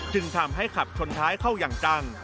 จึงทำให้ขับชนท้ายเข้าอย่างจัง